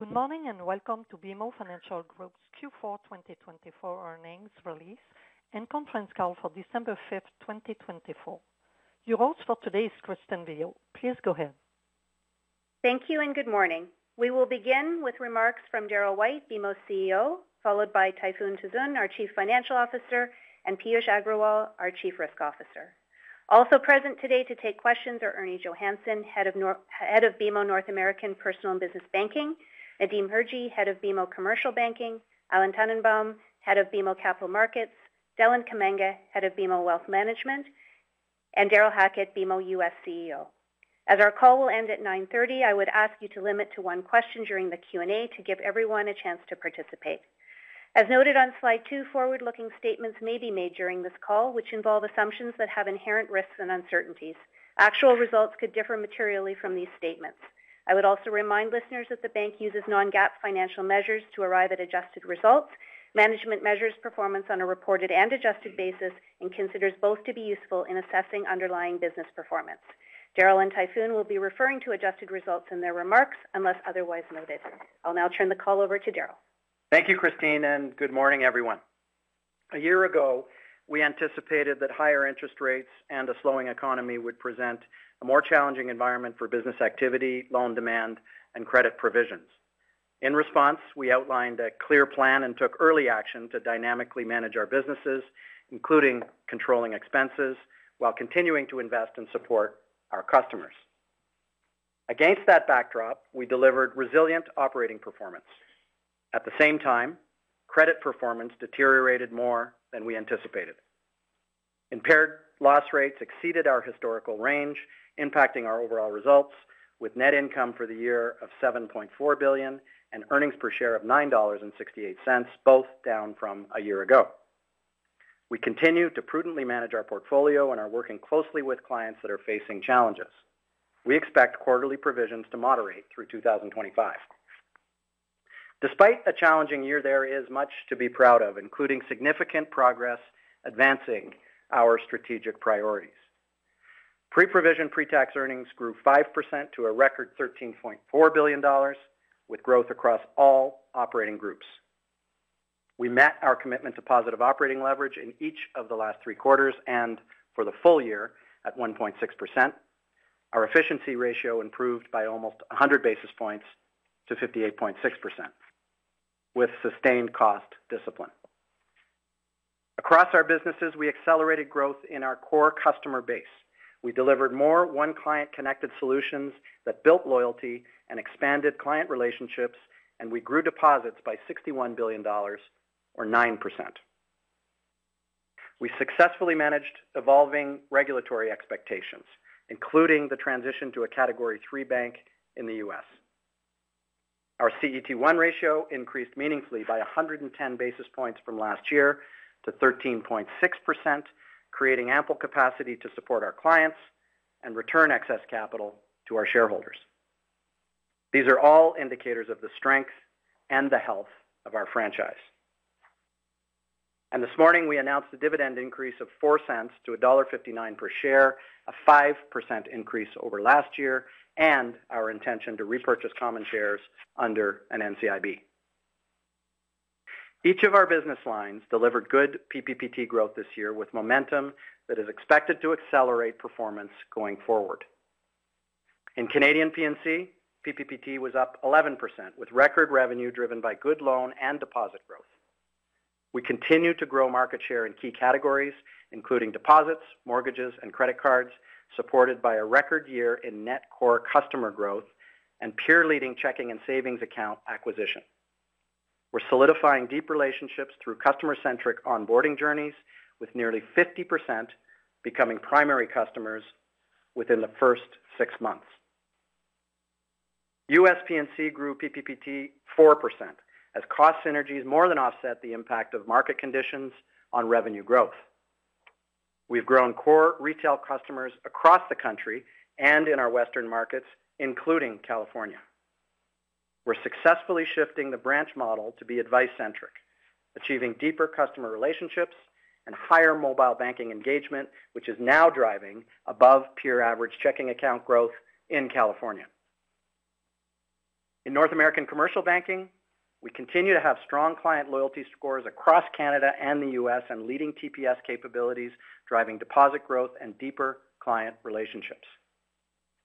Good morning and welcome to BMO Financial Group's Q4 2024 earnings release and conference call for December 5th, 2024. Your host for today is Christine Viau. Please go ahead. Thank you and good morning. We will begin with remarks from Darryl White, BMO's CEO, followed by Tayfun Tuzun, our Chief Financial Officer, and Piyush Agrawal, our Chief Risk Officer. Also present today to take questions are Ernie Johannson, Head of BMO North American Personal and Business Banking, Nadim Hirji, Head of BMO Commercial Banking, Alan Tannenbaum, Head of BMO Capital Markets, Deland Kamanga, Head of BMO Wealth Management, and Darryl Hackett, BMO U.S. CEO. As our call will end at 9:30 A.M., I would ask you to limit to one question during the Q&A to give everyone a chance to participate. As noted on slide two, forward-looking statements may be made during this call, which involve assumptions that have inherent risks and uncertainties. Actual results could differ materially from these statements. I would also remind listeners that the bank uses non-GAAP financial measures to arrive at adjusted results, management measures performance on a reported and adjusted basis, and considers both to be useful in assessing underlying business performance. Darryl and Tayfun will be referring to adjusted results in their remarks unless otherwise noted. I'll now turn the call over to Darryl. Thank you, Christine, and good morning, everyone. A year ago, we anticipated that higher interest rates and a slowing economy would present a more challenging environment for business activity, loan demand, and credit provisions. In response, we outlined a clear plan and took early action to dynamically manage our businesses, including controlling expenses while continuing to invest and support our customers. Against that backdrop, we delivered resilient operating performance. At the same time, credit performance deteriorated more than we anticipated. Impaired loss rates exceeded our historical range, impacting our overall results, with net income for the year of $7.4 billion and earnings per share of $9.68, both down from a year ago. We continue to prudently manage our portfolio and are working closely with clients that are facing challenges. We expect quarterly provisions to moderate through 2025. Despite a challenging year, there is much to be proud of, including significant progress advancing our strategic priorities. Pre-provision pretax earnings grew 5% to a record $13.4 billion, with growth across all operating groups. We met our commitment to positive operating leverage in each of the last three quarters and for the full year at 1.6%. Our efficiency ratio improved by almost 100 basis points to 58.6%, with sustained cost discipline. Across our businesses, we accelerated growth in our core customer base. We delivered more One Client connected solutions that built loyalty and expanded client relationships, and we grew deposits by $61 billion, or 9%. We successfully managed evolving regulatory expectations, including the transition to a Category 3 bank in the U.S. Our CET1 ratio increased meaningfully by 110 basis points from last year to 13.6%, creating ample capacity to support our clients and return excess capital to our shareholders. These are all indicators of the strength and the health of our franchise. And this morning, we announced a dividend increase of 0.04 to dollar 1.59 per share, a 5% increase over last year, and our intention to repurchase common shares under an NCIB. Each of our business lines delivered good PPPT growth this year, with momentum that is expected to accelerate performance going forward. In Canadian P&C, PPPT was up 11%, with record revenue driven by good loan and deposit growth. We continue to grow market share in key categories, including deposits, mortgages, and credit cards, supported by a record year in net core customer growth and peer-leading checking and savings account acquisition. We're solidifying deep relationships through customer-centric onboarding journeys, with nearly 50% becoming primary customers within the first six months. U.S. P&C grew PPPT 4% as cost synergies more than offset the impact of market conditions on revenue growth. We've grown core retail customers across the country and in our Western markets, including California. We're successfully shifting the branch model to be advice-centric, achieving deeper customer relationships and higher mobile banking engagement, which is now driving above peer-average checking account growth in California. In North American commercial banking, we continue to have strong client loyalty scores across Canada and the U.S. and leading TPS capabilities, driving deposit growth and deeper client relationships.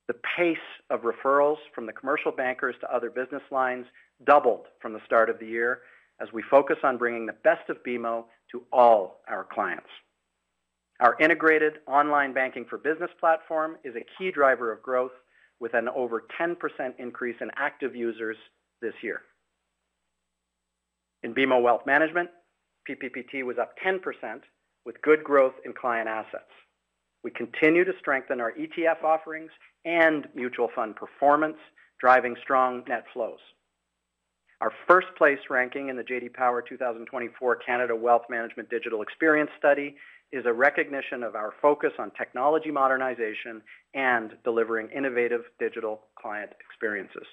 The pace of referrals from the commercial bankers to other business lines doubled from the start of the year as we focus on bringing the best of BMO to all our clients. Our integrated Online Banking for Business platform is a key driver of growth, with an over 10% increase in active users this year. In BMO Wealth Management, PPPT was up 10%, with good growth in client assets. We continue to strengthen our ETF offerings and mutual fund performance, driving strong net flows. Our first-place ranking in the J.D. Power 2024 Canada Wealth Management Digital Experience study is a recognition of our focus on technology modernization and delivering innovative digital client experiences.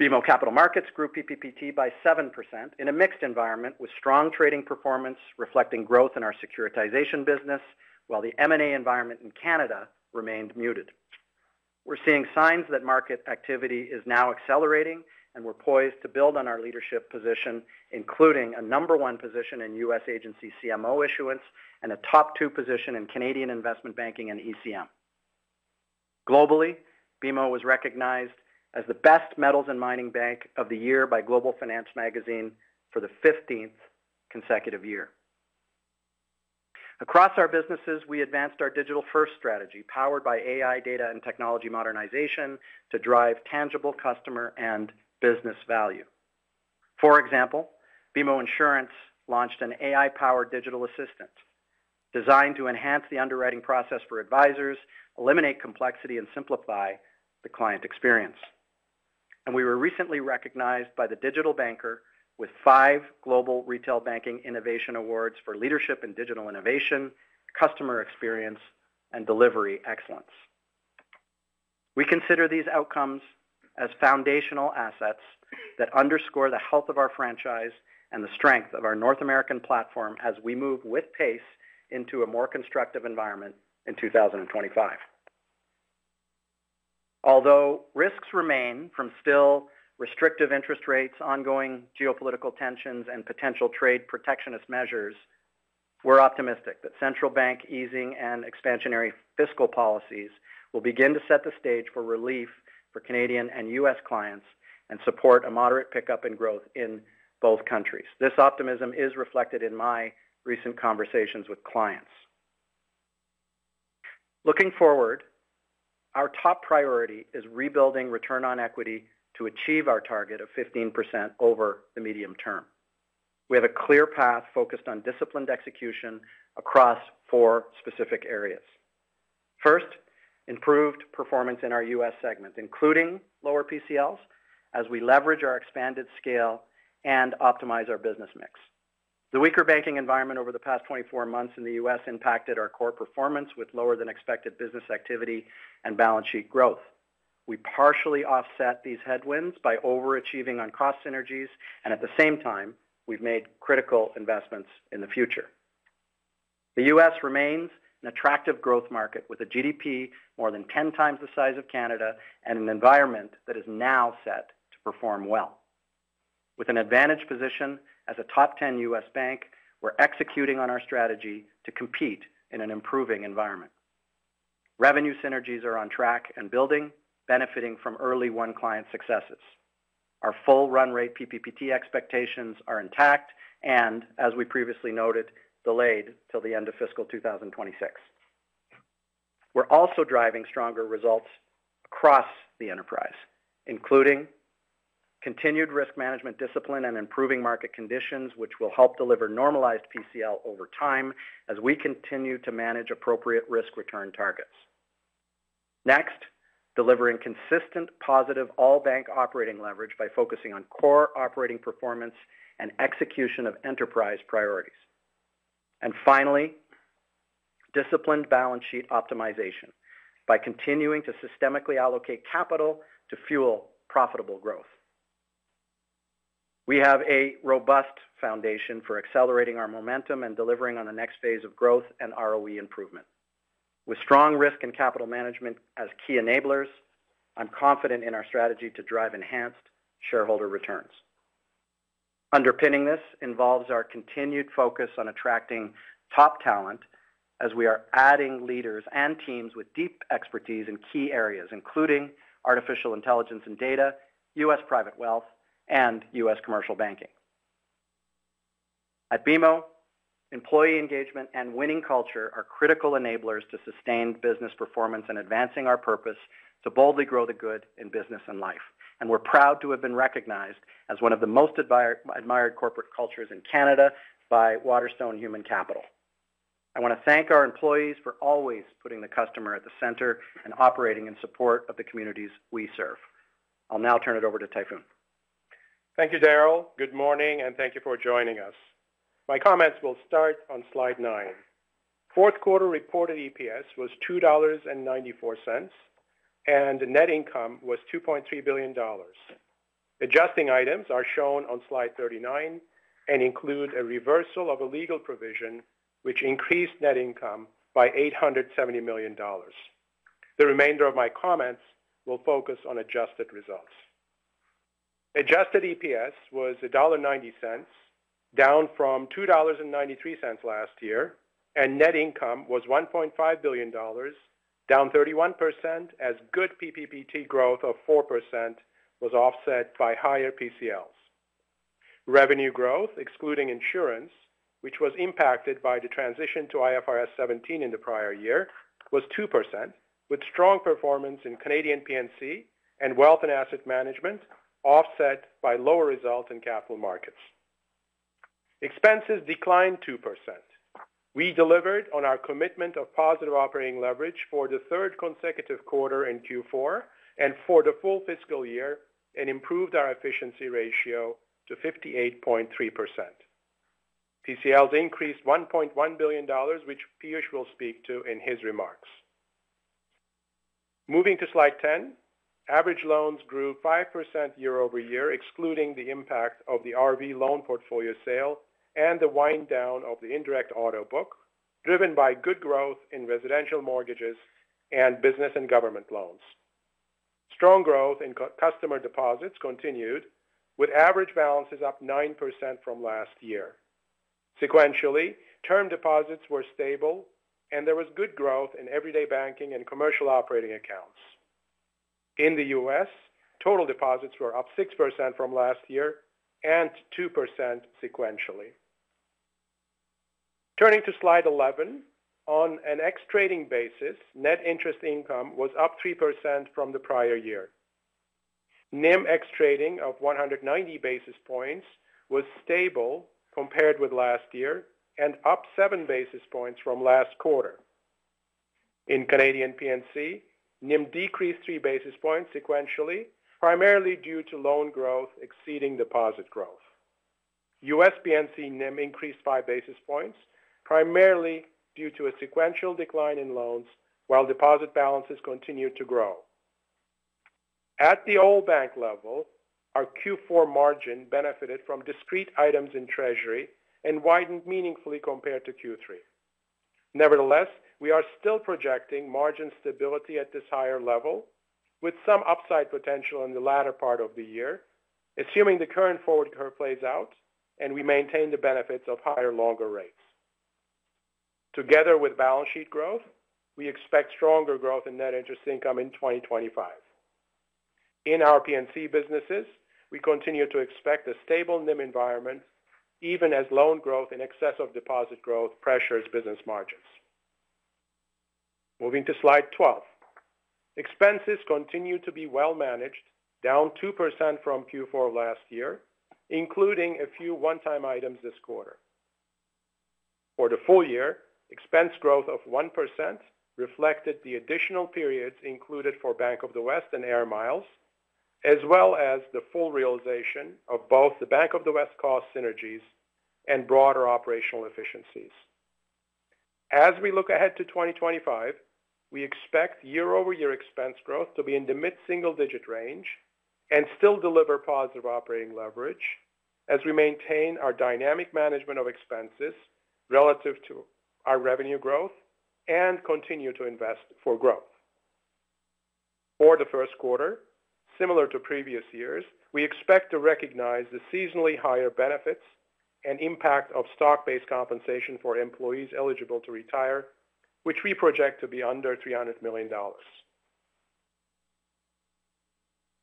BMO Capital Markets grew PPPT by 7% in a mixed environment with strong trading performance, reflecting growth in our securitization business, while the M&A environment in Canada remained muted. We're seeing signs that market activity is now accelerating, and we're poised to build on our leadership position, including a number one position in U.S. agency CMO issuance and a top two position in Canadian investment banking and ECM. Globally, BMO was recognized as the best metals and mining bank of the year by Global Finance Magazine for the 15th consecutive year. Across our businesses, we advanced our digital-first strategy powered by AI, data, and technology modernization to drive tangible customer and business value. For example, BMO Insurance launched an AI-powered digital assistant designed to enhance the underwriting process for advisors, eliminate complexity, and simplify the client experience. And we were recently recognized by The Digital Banker with five Global Retail Banking Innovation Awards for leadership in digital innovation, customer experience, and delivery excellence. We consider these outcomes as foundational assets that underscore the health of our franchise and the strength of our North American platform as we move with pace into a more constructive environment in 2025. Although risks remain from still restrictive interest rates, ongoing geopolitical tensions, and potential trade protectionist measures, we're optimistic that central bank easing and expansionary fiscal policies will begin to set the stage for relief for Canadian and U.S. clients and support a moderate pickup in growth in both countries. This optimism is reflected in my recent conversations with clients. Looking forward, our top priority is rebuilding return on equity to achieve our target of 15% over the medium term. We have a clear path focused on disciplined execution across four specific areas. First, improved performance in our U.S. segment, including lower PCLs, as we leverage our expanded scale and optimize our business mix. The weaker banking environment over the past 24 months in the U.S. impacted our core performance with lower-than-expected business activity and balance sheet growth. We partially offset these headwinds by overachieving on cost synergies, and at the same time, we've made critical investments in the future. The U.S. remains an attractive growth market with a GDP more than 10 times the size of Canada and an environment that is now set to perform well. With an advantaged position as a top 10 U.S. bank, we're executing on our strategy to compete in an improving environment. Revenue synergies are on track and building, benefiting from early One Client successes. Our full run-rate PPPT expectations are intact and, as we previously noted, delayed till the end of fiscal 2026. We're also driving stronger results across the enterprise, including continued risk management discipline and improving market conditions, which will help deliver normalized PCL over time as we continue to manage appropriate risk return targets. Next, delivering consistent positive all-bank operating leverage by focusing on core operating performance and execution of enterprise priorities, and finally, disciplined balance sheet optimization by continuing to systematically allocate capital to fuel profitable growth. We have a robust foundation for accelerating our momentum and delivering on the next phase of growth and ROE improvement. With strong risk and capital management as key enablers, I'm confident in our strategy to drive enhanced shareholder returns. Underpinning this involves our continued focus on attracting top talent as we are adding leaders and teams with deep expertise in key areas, including artificial intelligence and data, U.S. private wealth, and U.S. commercial banking. At BMO, employee engagement and winning culture are critical enablers to sustained business performance and advancing our purpose to boldly grow the good in business and life. We're proud to have been recognized as one of the most admired corporate cultures in Canada by Waterstone Human Capital. I want to thank our employees for always putting the customer at the center and operating in support of the communities we serve. I'll now turn it over to Tayfun. Thank you, Darryl. Good morning, and thank you for joining us. My comments will start on slide nine. Fourth quarter reported EPS was 2.94 dollars, and net income was 2.3 billion dollars. Adjusting items are shown on slide 39 and include a reversal of a legal provision, which increased net income by 870 million dollars. The remainder of my comments will focus on adjusted results. Adjusted EPS was dollar 1.90, down from 2.93 dollars last year, and net income was 1.5 billion dollars, down 31%, as good PPPT growth of 4% was offset by higher PCLs. Revenue growth, excluding insurance, which was impacted by the transition to IFRS 17 in the prior year, was 2%, with strong performance in Canadian P&C and wealth and asset management offset by lower results in capital markets. Expenses declined 2%. We delivered on our commitment of positive operating leverage for the third consecutive quarter in Q4 and for the full fiscal year and improved our efficiency ratio to 58.3%. PCLs increased $1.1 billion, which Piyush will speak to in his remarks. Moving to slide 10, average loans grew 5% year over year, excluding the impact of the RV loan portfolio sale and the wind down of the indirect auto book, driven by good growth in residential mortgages and business and government loans. Strong growth in customer deposits continued, with average balances up 9% from last year. Sequentially, term deposits were stable, and there was good growth in everyday banking and commercial operating accounts. In the U.S., total deposits were up 6% from last year and 2% sequentially. Turning to slide 11, on an ex-trading basis, net interest income was up 3% from the prior year. NIM ex-trading of 190 basis points was stable compared with last year and up 7 basis points from last quarter. In Canadian P&C, NIM decreased 3 basis points sequentially, primarily due to loan growth exceeding deposit growth. U.S. P&C NIM increased 5 basis points, primarily due to a sequential decline in loans, while deposit balances continued to grow. At the old bank level, our Q4 margin benefited from discrete items in treasury and widened meaningfully compared to Q3. Nevertheless, we are still projecting margin stability at this higher level, with some upside potential in the latter part of the year, assuming the current forward curve plays out and we maintain the benefits of higher longer rates. Together with balance sheet growth, we expect stronger growth in net interest income in 2025. In our P&C businesses, we continue to expect a stable NIM environment, even as loan growth in excess of deposit growth pressures business margins. Moving to slide 12, expenses continue to be well managed, down 2% from Q4 last year, including a few one-time items this quarter. For the full year, expense growth of 1% reflected the additional periods included for Bank of the West and AIR MILES, as well as the full realization of both the Bank of the West cost synergies and broader operational efficiencies. As we look ahead to 2025, we expect year-over-year expense growth to be in the mid-single-digit range and still deliver positive operating leverage as we maintain our dynamic management of expenses relative to our revenue growth and continue to invest for growth. For the first quarter, similar to previous years, we expect to recognize the seasonally higher benefits and impact of stock-based compensation for employees eligible to retire, which we project to be under 300 million dollars.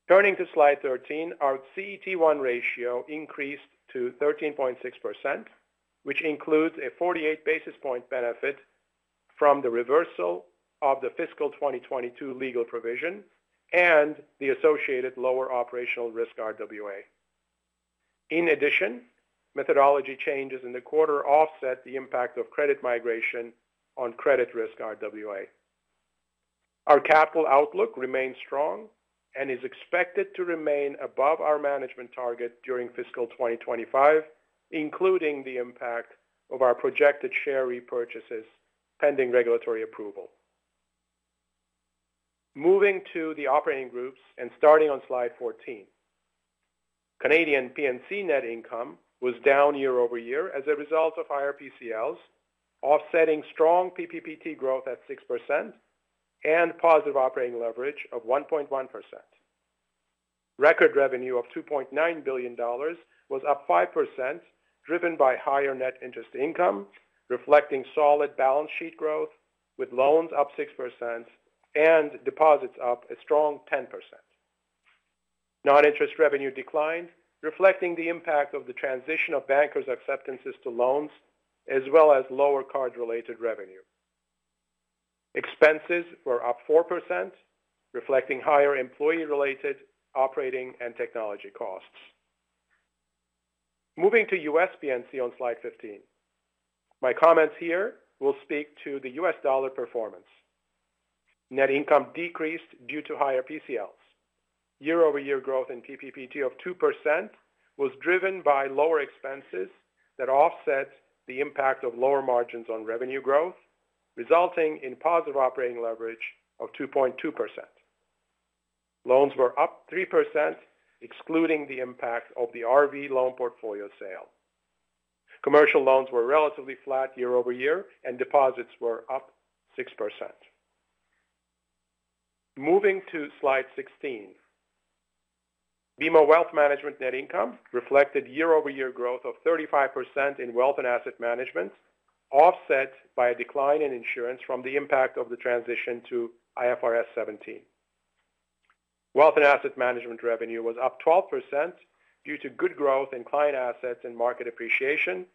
Turning to slide 13, our CET1 ratio increased to 13.6%, which includes a 48 basis points benefit from the reversal of the fiscal 2022 legal provision and the associated lower operational risk RWA. In addition, methodology changes in the quarter offset the impact of credit migration on credit risk RWA. Our capital outlook remains strong and is expected to remain above our management target during fiscal 2025, including the impact of our projected share repurchases pending regulatory approval. Moving to the operating groups and starting on slide 14, Canadian P&C net income was down year over year as a result of higher PCLs, offsetting strong PPPT growth at 6% and positive operating leverage of 1.1%. Record revenue of 2.9 billion dollars was up 5%, driven by higher net interest income, reflecting solid balance sheet growth, with loans up 6% and deposits up a strong 10%. Non-interest revenue declined, reflecting the impact of the transition of bankers' acceptances to loans, as well as lower card-related revenue. Expenses were up 4%, reflecting higher employee-related operating and technology costs. Moving to U.S. P&C on slide 15, my comments here will speak to the U.S. dollar performance. Net income decreased due to higher PCLs. Year-over-year growth in PPPT of 2% was driven by lower expenses that offset the impact of lower margins on revenue growth, resulting in positive operating leverage of 2.2%. Loans were up 3%, excluding the impact of the RV loan portfolio sale. Commercial loans were relatively flat year over year, and deposits were up 6%. Moving to slide 16, BMO Wealth Management net income reflected year-over-year growth of 35% in wealth and asset management, offset by a decline in insurance from the impact of the transition to IFRS 17. Wealth and asset management revenue was up 12% due to good growth in client assets and market appreciation,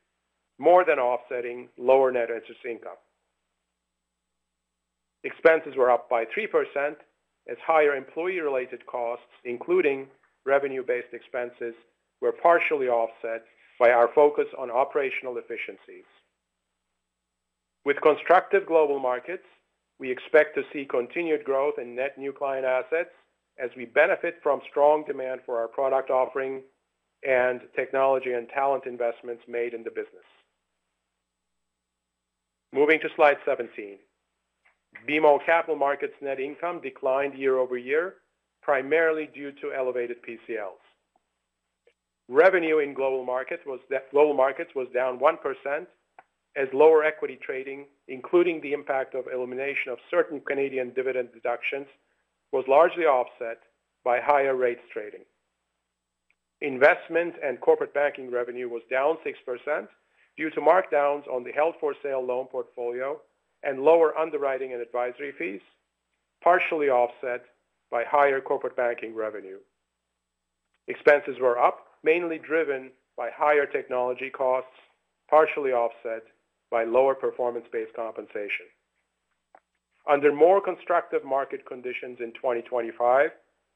more than offsetting lower net interest income. Expenses were up by 3%, as higher employee-related costs, including revenue-based expenses, were partially offset by our focus on operational efficiencies. With constructive global markets, we expect to see continued growth in net new client assets as we benefit from strong demand for our product offering and technology and talent investments made in the business. Moving to slide 17, BMO Capital Markets net income declined year over year, primarily due to elevated PCLs. Revenue in global markets was down one%, as lower equity trading, including the impact of elimination of certain Canadian dividend deductions, was largely offset by higher rates trading. Investment and corporate banking revenue was down six% due to markdowns on the held-for-sale loan portfolio and lower underwriting and advisory fees, partially offset by higher corporate banking revenue. Expenses were up, mainly driven by higher technology costs, partially offset by lower performance-based compensation. Under more constructive market conditions in 2025,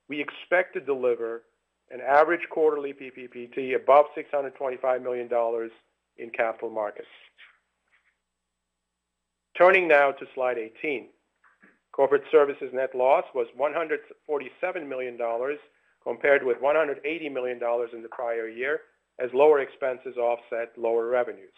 we expect to deliver an average quarterly PPPT above $625 million in capital markets. Turning now to slide 18, corporate services net loss was $147 million compared with $180 million in the prior year, as lower expenses offset lower revenues.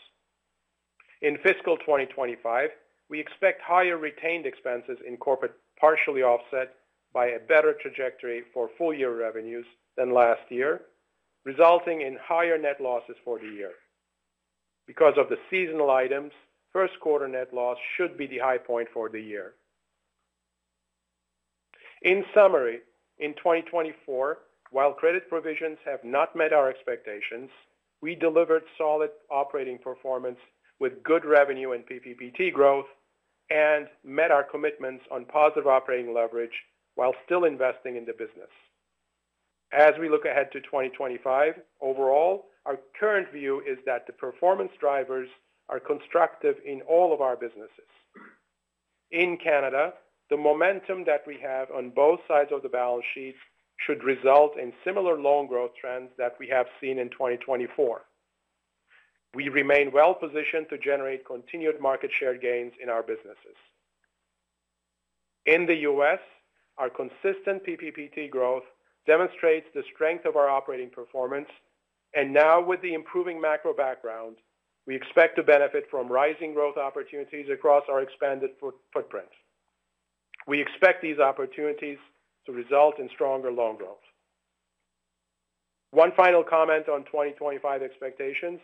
In fiscal 2025, we expect higher retained expenses in corporate partially offset by a better trajectory for full-year revenues than last year, resulting in higher net losses for the year. Because of the seasonal items, first quarter net loss should be the high point for the year. In summary, in 2024, while credit provisions have not met our expectations, we delivered solid operating performance with good revenue and PPPT growth and met our commitments on positive operating leverage while still investing in the business. As we look ahead to 2025, overall, our current view is that the performance drivers are constructive in all of our businesses. In Canada, the momentum that we have on both sides of the balance sheet should result in similar loan growth trends that we have seen in 2024. We remain well positioned to generate continued market share gains in our businesses. In the U.S., our consistent PPPT growth demonstrates the strength of our operating performance, and now, with the improving macro background, we expect to benefit from rising growth opportunities across our expanded footprint. We expect these opportunities to result in stronger loan growth. One final comment on 2025 expectations: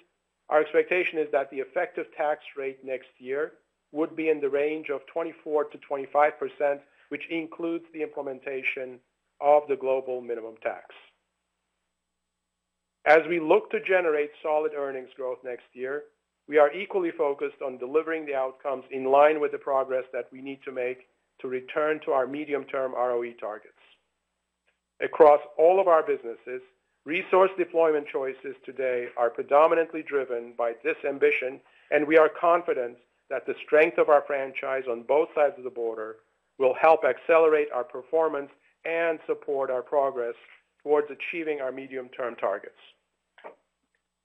our expectation is that the effective tax rate next year would be in the range of 24%-25%, which includes the implementation of the global minimum tax. As we look to generate solid earnings growth next year, we are equally focused on delivering the outcomes in line with the progress that we need to make to return to our medium-term ROE targets. Across all of our businesses, resource deployment choices today are predominantly driven by this ambition, and we are confident that the strength of our franchise on both sides of the border will help accelerate our performance and support our progress towards achieving our medium-term targets.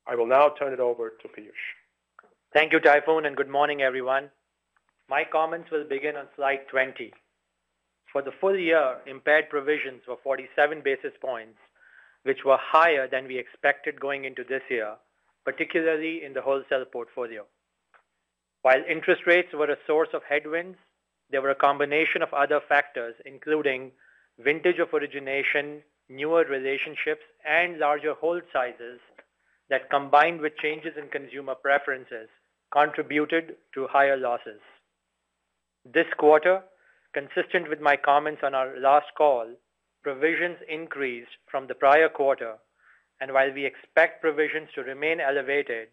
I will now turn it over to Piyush. Thank you, Tayfun, and good morning, everyone. My comments will begin on slide 20. For the full year, impaired provisions were 47 basis points, which were higher than we expected going into this year, particularly in the wholesale portfolio. While interest rates were a source of headwinds, there were a combination of other factors, including vintage of origination, newer relationships, and larger hold sizes that, combined with changes in consumer preferences, contributed to higher losses. This quarter, consistent with my comments on our last call, provisions increased from the prior quarter, and while we expect provisions to remain elevated,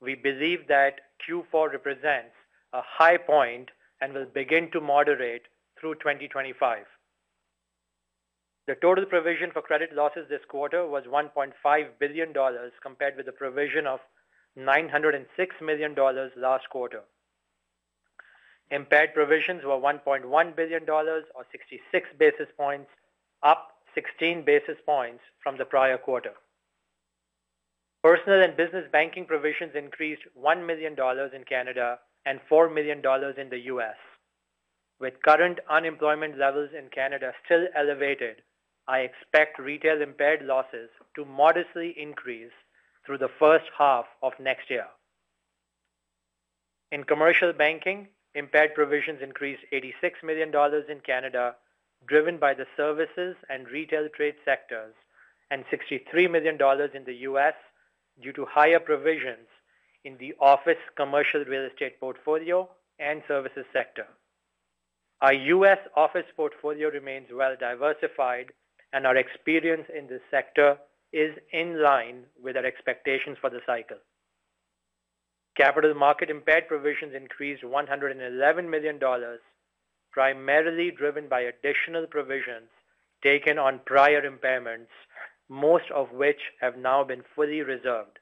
we believe that Q4 represents a high point and will begin to moderate through 2025. The total provision for credit losses this quarter was $1.5 billion, compared with a provision of $906 million last quarter. Impaired provisions were $1.1 billion, or 66 basis points, up 16 basis points from the prior quarter. Personal and business banking provisions increased 1 million dollars in Canada and $4 million in the U.S. With current unemployment levels in Canada still elevated, I expect retail impaired losses to modestly increase through the first half of next year. In commercial banking, impaired provisions increased 86 million dollars in Canada, driven by the services and retail trade sectors, and $63 million in the U.S. due to higher provisions in the office commercial real estate portfolio and services sector. Our U.S. office portfolio remains well diversified, and our experience in this sector is in line with our expectations for the cycle. Capital market impaired provisions increased $111 million, primarily driven by additional provisions taken on prior impairments, most of which have now been fully reserved.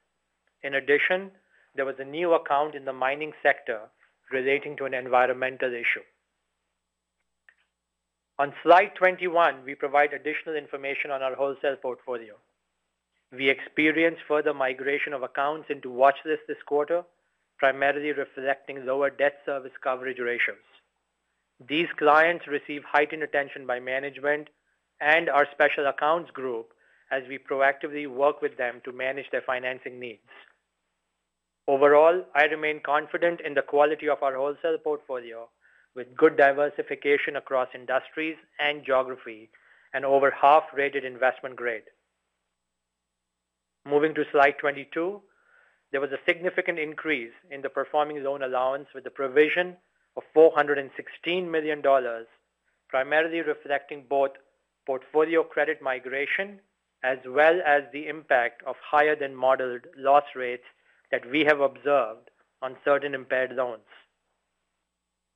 In addition, there was a new account in the mining sector relating to an environmental issue. On slide 21, we provide additional information on our wholesale portfolio. We experienced further migration of accounts into watch lists this quarter, primarily reflecting lower debt service coverage ratios. These clients receive heightened attention by management and our special accounts group, as we proactively work with them to manage their financing needs. Overall, I remain confident in the quality of our wholesale portfolio, with good diversification across industries and geography and over half-rated investment grade. Moving to slide 22, there was a significant increase in the performing loan allowance with the provision of $416 million, primarily reflecting both portfolio credit migration as well as the impact of higher than modeled loss rates that we have observed on certain impaired loans.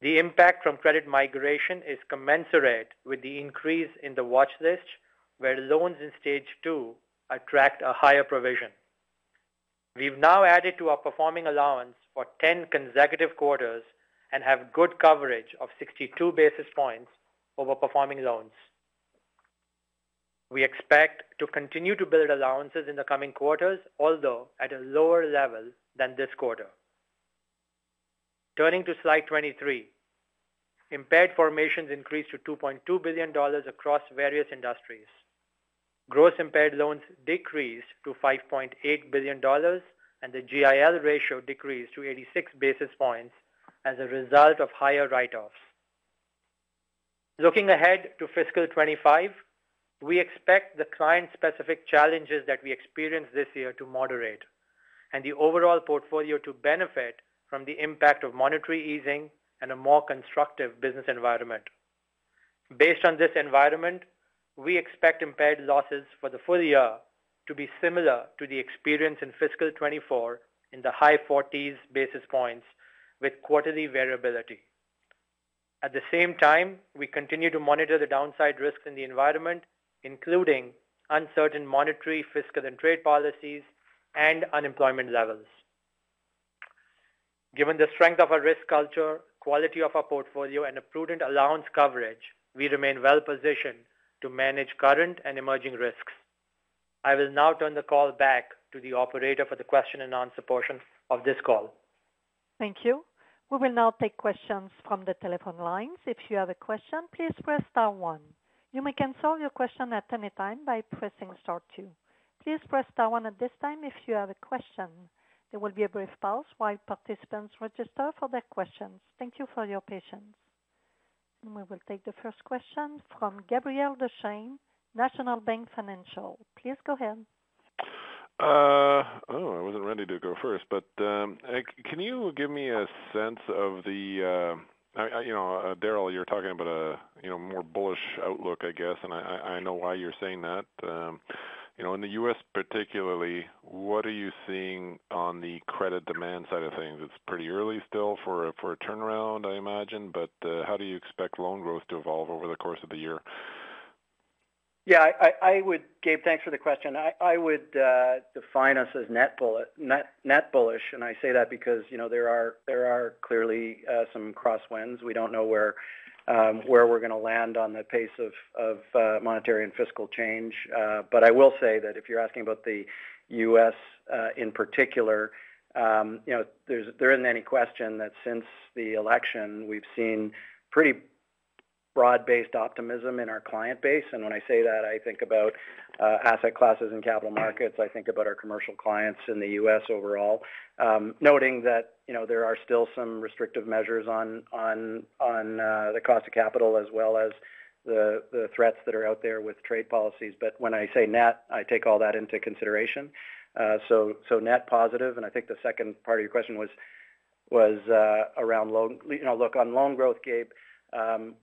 The impact from credit migration is commensurate with the increase in the watch list, where loans in stage two attract a higher provision. We've now added to our performing allowance for 10 consecutive quarters and have good coverage of 62 basis points over performing loans. We expect to continue to build allowances in the coming quarters, although at a lower level than this quarter. Turning to slide 23, impaired formations increased to 2.2 billion dollars across various industries. Gross impaired loans decreased to 5.8 billion dollars, and the GIL ratio decreased to 86 basis points as a result of higher write-offs. Looking ahead to fiscal 2025, we expect the client-specific challenges that we experienced this year to moderate and the overall portfolio to benefit from the impact of monetary easing and a more constructive business environment. Based on this environment, we expect impaired losses for the full year to be similar to the experience in fiscal 2024 in the high 40s basis points with quarterly variability. At the same time, we continue to monitor the downside risks in the environment, including uncertain monetary, fiscal, and trade policies and unemployment levels. Given the strength of our risk culture, quality of our portfolio, and a prudent allowance coverage, we remain well positioned to manage current and emerging risks. I will now turn the call back to the operator for the question and answer portion of this call. Thank you. We will now take questions from the telephone lines. If you have a question, please press star one. You may cancel your question at any time by pressing star two. Please press star one at this time if you have a question. There will be a brief pause while participants register for their questions. Thank you for your patience, and we will take the first question from Gabriel Dechaine, National Bank Financial. Please go ahead. Oh, I wasn't ready to go first, but can you give me a sense of the, you know, Darryl, you're talking about a more bullish outlook, I guess, and I know why you're saying that. In the U.S., particularly, what are you seeing on the credit demand side of things? It's pretty early still for a turnaround, I imagine, but how do you expect loan growth to evolve over the course of the year? Yeah, I would, Gabe, thanks for the question. I would define us as net bullish, and I say that because there are clearly some crosswinds. We don't know where we're going to land on the pace of monetary and fiscal change, but I will say that if you're asking about the U.S. in particular, there isn't any question that since the election, we've seen pretty broad-based optimism in our client base. And when I say that, I think about asset classes and capital markets. I think about our commercial clients in the U.S. overall, noting that there are still some restrictive measures on the cost of capital as well as the threats that are out there with trade policies. But when I say net, I take all that into consideration. So net positive, and I think the second part of your question was around loan growth, Gabe.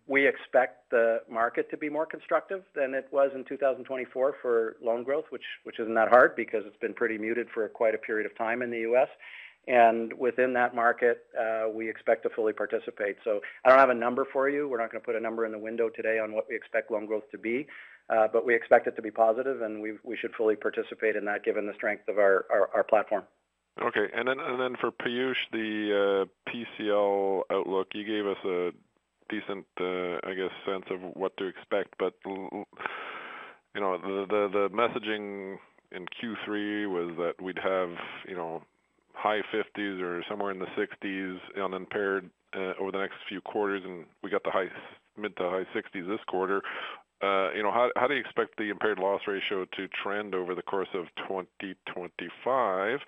We expect the market to be more constructive than it was in 2024 for loan growth, which isn't that hard because it's been pretty muted for quite a period of time in the U.S. And within that market, we expect to fully participate. So I don't have a number for you. We're not going to put a number in the window today on what we expect loan growth to be, but we expect it to be positive, and we should fully participate in that given the strength of our platform. Okay. And then for Piyush, the PCL outlook, you gave us a decent, I guess, sense of what to expect, but the messaging in Q3 was that we'd have high 50s or somewhere in the 60s on impaired over the next few quarters, and we got the mid to high 60s this quarter. How do you expect the impaired loss ratio to trend over the course of 2025?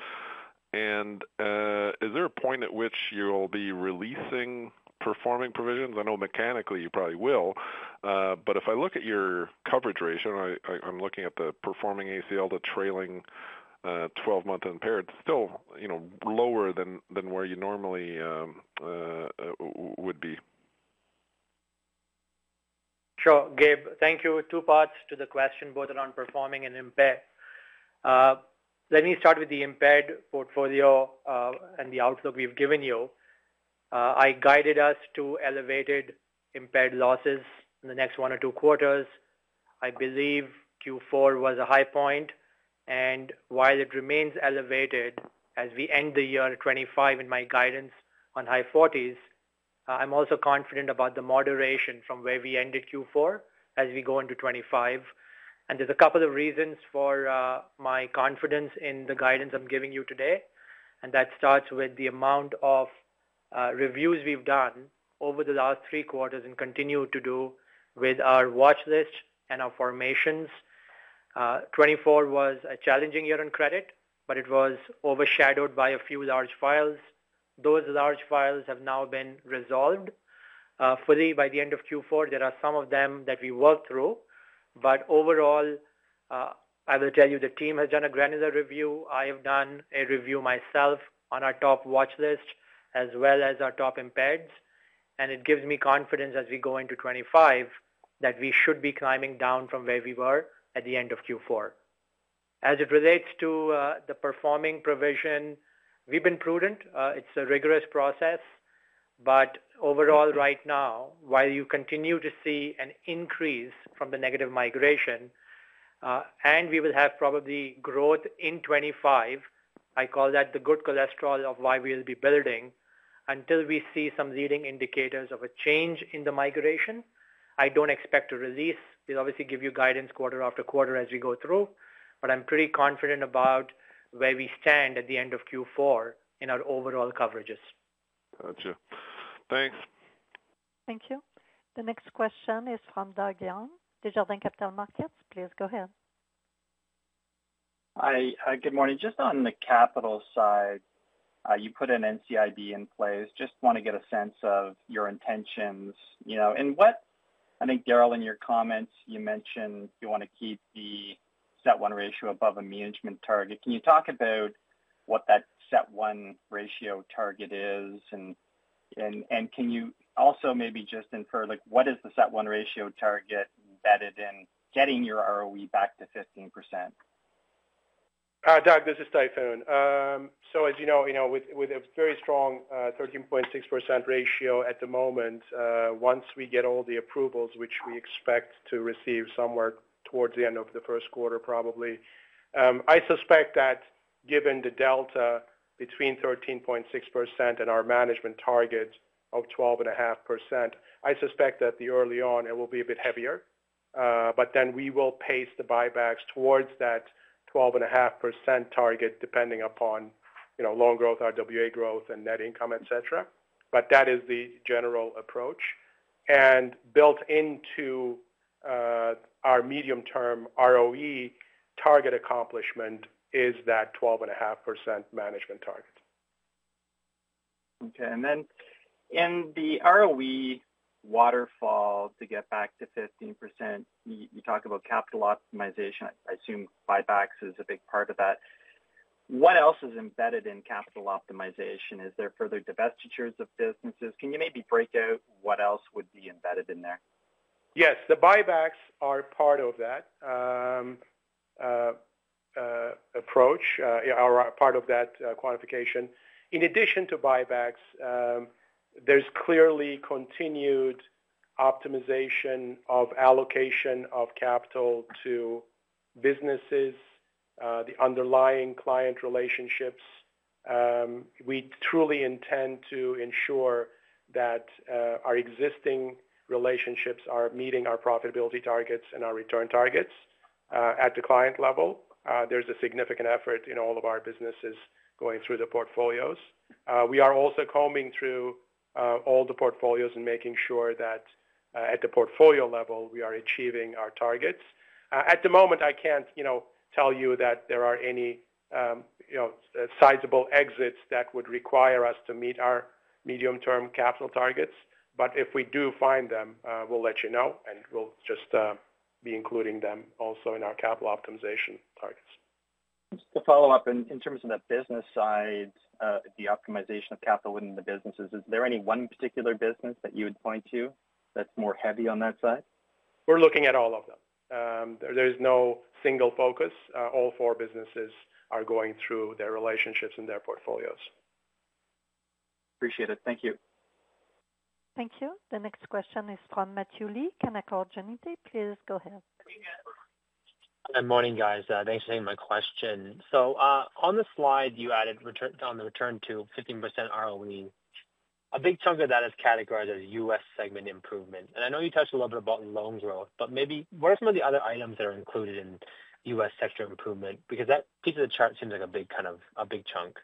And is there a point at which you'll be releasing performing provisions? I know mechanically you probably will, but if I look at your coverage ratio, and I'm looking at the performing ACL to trailing 12-month impaired, it's still lower than where you normally would be. Sure, Gabe, thank you. Two parts to the question, both around performing and impaired. Let me start with the impaired portfolio and the outlook we've given you. I guided us to elevated impaired losses in the next one or two quarters. I believe Q4 was a high point, and while it remains elevated as we end the year 2025 in my guidance on high 40s, I'm also confident about the moderation from where we ended Q4 as we go into 2025. And there's a couple of reasons for my confidence in the guidance I'm giving you today, and that starts with the amount of reviews we've done over the last three quarters and continue to do with our watch list and our formations. 2024 was a challenging year on credit, but it was overshadowed by a few large files. Those large files have now been resolved fully by the end of Q4. There are some of them that we worked through, but overall, I will tell you the team has done a granular review. I have done a review myself on our top watch list as well as our top impaireds, and it gives me confidence as we go into 2025 that we should be climbing down from where we were at the end of Q4. As it relates to the performing provision, we've been prudent. It's a rigorous process, but overall, right now, while you continue to see an increase from the negative migration, and we will have probably growth in 2025, I call that the good cholesterol of why we'll be building until we see some leading indicators of a change in the migration. I don't expect to release. We'll obviously give you guidance quarter after quarter as we go through, but I'm pretty confident about where we stand at the end of Q4 in our overall coverages. Gotcha. Thanks. Thank you. The next question is from Darryl from RBC Capital Markets. Please go ahead. Hi, good morning. Just on the capital side, you put an NCIB in place. Just want to get a sense of your intentions. And I think, Darryl, in your comments, you mentioned you want to keep the CET1 ratio above a management target. Can you talk about what that CET1 ratio target is? And can you also maybe just infer what is the CET1 ratio target embedded in getting your ROE back to 15%? Hi, Doug, this is Tayfun. So, as you know, with a very strong 13.6% ratio at the moment, once we get all the approvals, which we expect to receive somewhere towards the end of the first quarter probably, I suspect that given the delta between 13.6% and our management target of 12.5%, I suspect that early on it will be a bit heavier, but then we will pace the buybacks towards that 12.5% target depending upon loan growth, RWA growth, and net income, etc. But that is the general approach. And built into our medium-term ROE target accomplishment is that 12.5% management target. Okay. And then in the ROE waterfall to get back to 15%, you talk about capital optimization. I assume buybacks is a big part of that. What else is embedded in capital optimization? Is there further divestitures of businesses? Can you maybe break out what else would be embedded in there? Yes, the buybacks are part of that approach, part of that quantification. In addition to buybacks, there's clearly continued optimization of allocation of capital to businesses, the underlying client relationships. We truly intend to ensure that our existing relationships are meeting our profitability targets and our return targets at the client level. There's a significant effort in all of our businesses going through the portfolios. We are also combing through all the portfolios and making sure that at the portfolio level, we are achieving our targets. At the moment, I can't tell you that there are any sizable exits that would require us to meet our medium-term capital targets, but if we do find them, we'll let you know, and we'll just be including them also in our capital optimization targets. Just to follow up, in terms of the business side, the optimization of capital within the businesses, is there any one particular business that you would point to that's more heavy on that side? We're looking at all of them. There is no single focus. All four businesses are going through their relationships and their portfolios. Appreciate it. Thank you. Thank you. The next question is from Matthew Lee. Canaccord Genuity? Please go ahead. Good morning, guys. Thanks for taking my question. So on the slide, you added on the return to 15% ROE. A big chunk of that is categorized as U.S. Segment improvement. And I know you touched a little bit about loan growth, but maybe what are some of the other items that are included in U.S. sector improvement? Because that piece of the chart seems like a big chunk.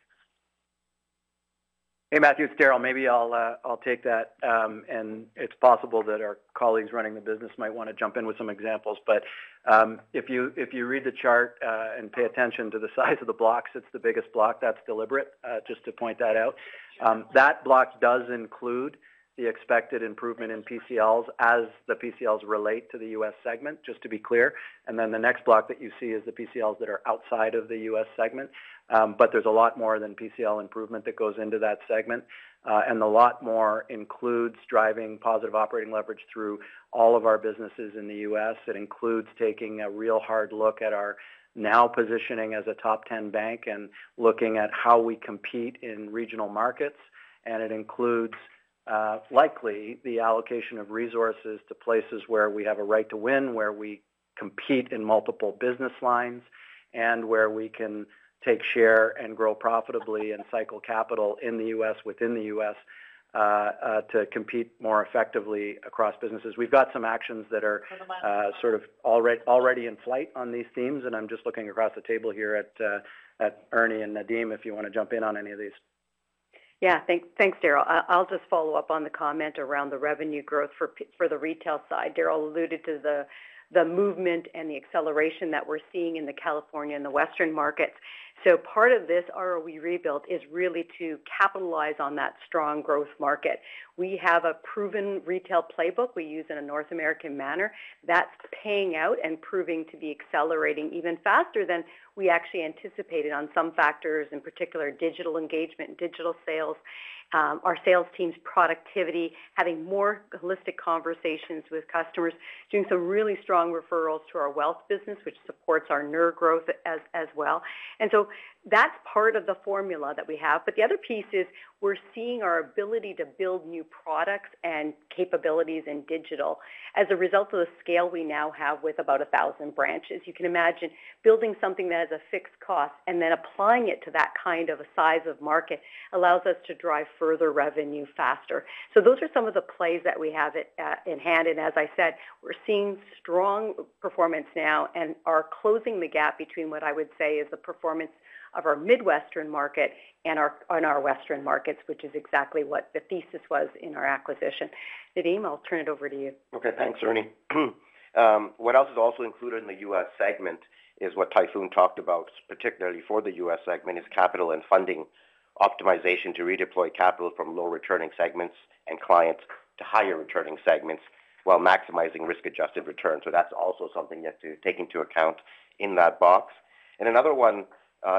Hey, Matthew, it's Darryl. Maybe I'll take that. And it's possible that our colleagues running the business might want to jump in with some examples, but if you read the chart and pay attention to the size of the blocks, it's the biggest block. That's deliberate, just to point that out. That block does include the expected improvement in PCLs as the PCLs relate to the U.S. segment, just to be clear. And then the next block that you see is the PCLs that are outside of the U.S. segment, but there's a lot more than PCL improvement that goes into that segment. A lot more includes driving positive operating leverage through all of our businesses in the U.S. It includes taking a real hard look at our new positioning as a top 10 bank and looking at how we compete in regional markets. It includes likely the allocation of resources to places where we have a right to win, where we compete in multiple business lines, and where we can take share and grow profitably and cycle capital in the U.S., within the U.S. to compete more effectively across businesses. We've got some actions that are sort of already in flight on these themes, and I'm just looking across the table here at Ernie and Nadim, if you want to jump in on any of these. Yeah, thanks, Darryl. I'll just follow up on the comment around the revenue growth for the retail side. Darryl alluded to the movement and the acceleration that we're seeing in California and the Western markets, so part of this ROE rebuild is really to capitalize on that strong growth market. We have a proven retail playbook we use in a North American manner that's paying out and proving to be accelerating even faster than we actually anticipated on some factors, in particular digital engagement, digital sales, our sales team's productivity, having more holistic conversations with customers, doing some really strong referrals to our wealth business, which supports our NER growth as well, and so that's part of the formula that we have, but the other piece is we're seeing our ability to build new products and capabilities in digital as a result of the scale we now have with about 1,000 branches. You can imagine building something that has a fixed cost and then applying it to that kind of a size of market allows us to drive further revenue faster. So those are some of the plays that we have in hand. And as I said, we're seeing strong performance now and are closing the gap between what I would say is the performance of our Midwestern market and our Western markets, which is exactly what the thesis was in our acquisition. Nadim, I'll turn it over to you. Okay, thanks, Ernie. What else is also included in the U.S. segment is what Tayfun talked about, particularly for the U.S. segment, is capital and funding optimization to redeploy capital from low returning segments and clients to higher returning segments while maximizing risk-adjusted return. So that's also something you have to take into account in that box. And another one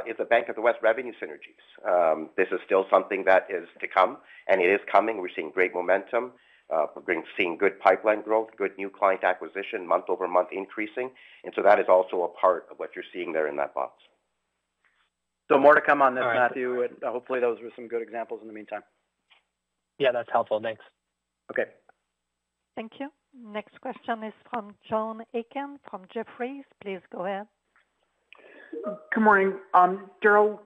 is the Bank of the West revenue synergies. This is still something that is to come, and it is coming. We're seeing great momentum. We're seeing good pipeline growth, good new client acquisition, month-over-month increasing. And so that is also a part of what you're seeing there in that box. So more to come on this, Matthew, and hopefully those were some good examples in the meantime. Yeah, that's helpful. Thanks. Okay. Thank you. Next question is from John Aiken from Jefferies. Please go ahead. Good morning. Darryl,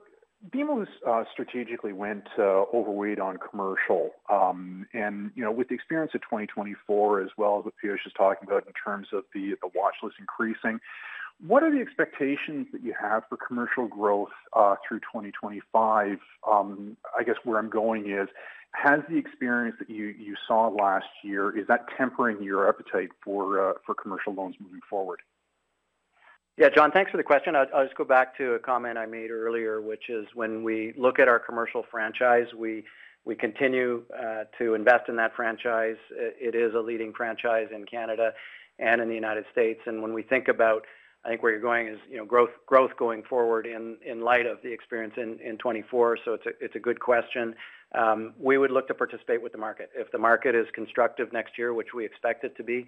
BMO's strategically went overweight on commercial. And with the experience of 2024, as well as what Piyush is talking about in terms of the watch list increasing, what are the expectations that you have for commercial growth through 2025? I guess where I'm going is, has the experience that you saw last year, is that tempering your appetite for commercial loans moving forward? Yeah, John, thanks for the question. I'll just go back to a comment I made earlier, which is when we look at our commercial franchise, we continue to invest in that franchise. It is a leading franchise in Canada and in the United States, and when we think about, I think where you're going is growth going forward in light of the experience in 2024. So it's a good question. We would look to participate with the market. If the market is constructive next year, which we expect it to be,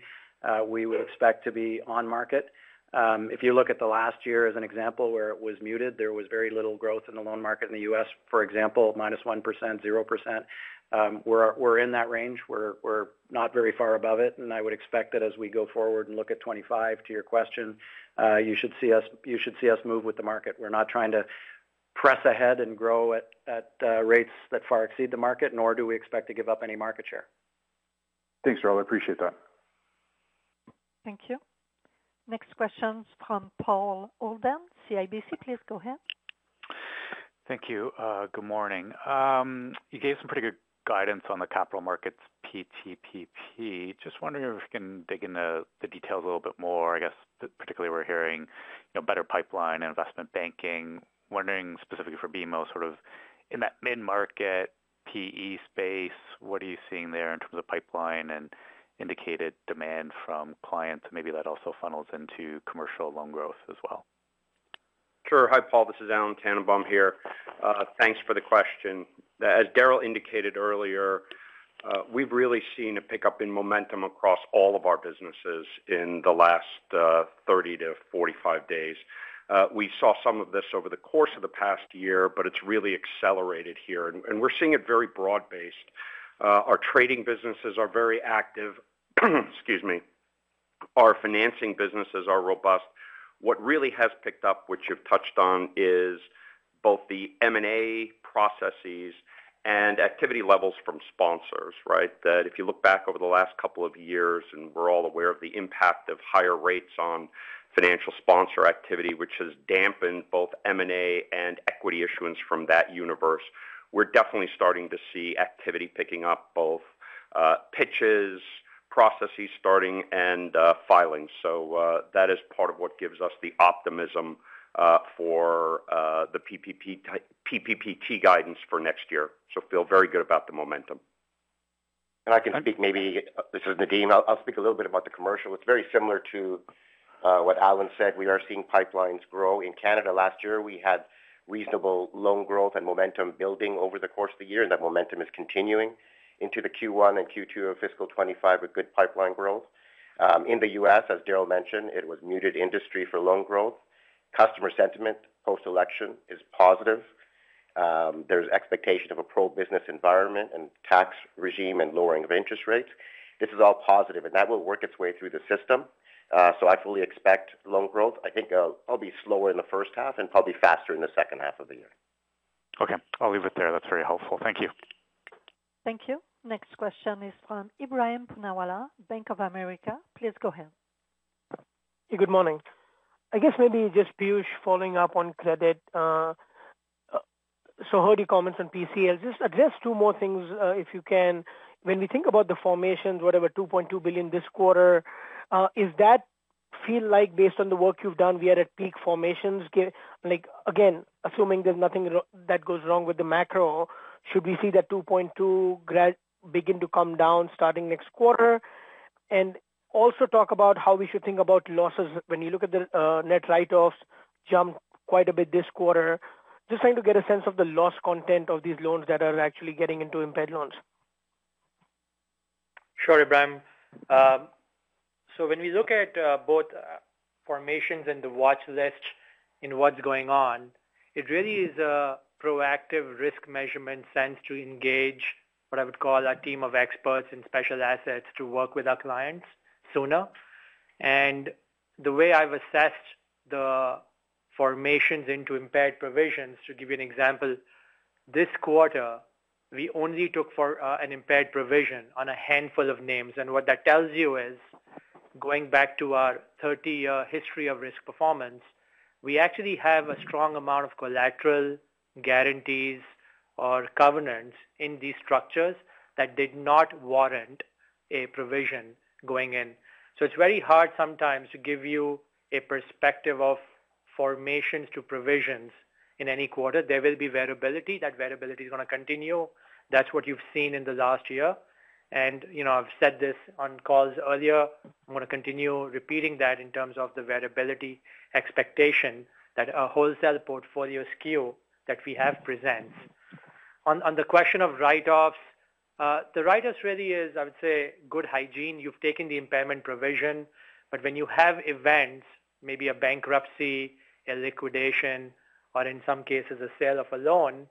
we would expect to be on market. If you look at the last year as an example where it was muted, there was very little growth in the loan market in the U.S., for example, minus 1%, 0%. We're in that range. We're not very far above it, and I would expect that as we go forward and look at 25, to your question, you should see us move with the market. We're not trying to press ahead and grow at rates that far exceed the market, nor do we expect to give up any market share. Thanks, Darryl. I appreciate that. Thank you. Next question is from Paul Holden, CIBC. Please go ahead. Thank you. Good morning. You gave some pretty good guidance on the capital markets, PPPT. Just wondering if we can dig into the details a little bit more. I guess particularly we're hearing better pipeline, investment banking. Wondering specifically for BMO, sort of in that mid-market PE space, what are you seeing there in terms of pipeline and indicated demand from clients? And maybe that also funnels into commercial loan growth as well. Sure. Hi Paul, this is Alan Tannenbaum here. Thanks for the question. As Darryl indicated earlier, we've really seen a pickup in momentum across all of our businesses in the last 30 to 45 days. We saw some of this over the course of the past year, but it's really accelerated here. And we're seeing it very broad-based. Our trading businesses are very active. Excuse me. Our financing businesses are robust. What really has picked up, which you've touched on, is both the M&A processes and activity levels from sponsors, right? That, if you look back over the last couple of years, and we're all aware of the impact of higher rates on financial sponsor activity, which has dampened both M&A and equity issuance from that universe, we're definitely starting to see activity picking up, both pitches, processes starting, and filing. So that is part of what gives us the optimism for the PPPT guidance for next year. We feel very good about the momentum. I can speak. Maybe this is Nadim. I'll speak a little bit about the commercial. It's very similar to what Alan said. We are seeing pipelines grow. In Canada last year, we had reasonable loan growth and momentum building over the course of the year, and that momentum is continuing into the Q1 and Q2 of fiscal 2025 with good pipeline growth. In the U.S., as Darryl mentioned, it was muted industry for loan growth. Customer sentiment post-election is positive. There's expectation of a pro-business environment and tax regime and lowering of interest rates. This is all positive, and that will work its way through the system. So I fully expect loan growth. I think it'll be slower in the first half and probably faster in the second half of the year. Okay. I'll leave it there. That's very helpful. Thank you. Thank you. Next question is from Ibrahim Punawala, Bank of America. Please go ahead. Hey, good morning. I guess maybe just Piyush following up on credit. So heard your comments on PCL. Just address two more things if you can. When we think about the formations, whatever, 2.2 billion this quarter, is that feel like based on the work you've done, we are at peak formations? Again, assuming there's nothing that goes wrong with the macro, should we see that 2.2 begin to come down starting next quarter? And also talk about how we should think about losses when you look at the net write-offs jump quite a bit this quarter. Just trying to get a sense of the loss content of these loans that are actually getting into impaired loans. Sure, Ibrahim. So when we look at both formations and the watch list and what's going on, it really is a proactive risk measurement sense to engage what I would call a team of experts and special assets to work with our clients sooner. And the way I've assessed the formations into impaired provisions, to give you an example, this quarter, we only took for an impaired provision on a handful of names. What that tells you is, going back to our 30-year history of risk performance, we actually have a strong amount of collateral guarantees or covenants in these structures that did not warrant a provision going in. So it's very hard sometimes to give you a perspective of formations to provisions in any quarter. There will be variability. That variability is going to continue. That's what you've seen in the last year. And I've said this on calls earlier. I'm going to continue repeating that in terms of the variability expectation that a wholesale portfolio skew that we have presents. On the question of write-offs, the write-offs really is, I would say, good hygiene. You've taken the impairment provision, but when you have events, maybe a bankruptcy, a liquidation, or in some cases, a sale of a loan,